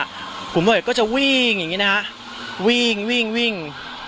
คุณผู้เกาะเหตุก็จะวิ่งอย่างเงี้ยนะฮะวิ่งวิ่งวิ่ง